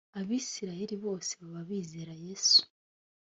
abisirayeli bose baba bizera yesu .